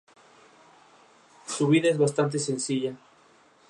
Su vida es bastante sencilla.